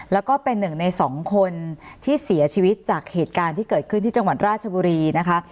แล้วก็เป็นหนึ่งในสองคนที่เสียชีวิตจากเหตุการณ์ที่เกิดขึ้นที่จังหวัดราชบุรีนะคะ